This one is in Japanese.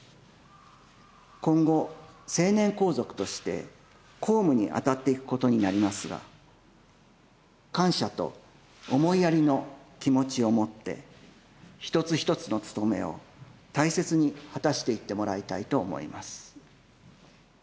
今後成年皇族として公務に当たっていくことになりますが感謝と思いやりの気持ちを持って一つ一つの勤めを大切に果たしていってもらいたいと思います。